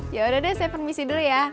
yaudah deh saya permisi dulu ya